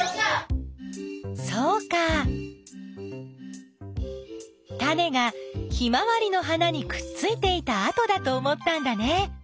そうかタネがヒマワリの花にくっついていたあとだと思ったんだね。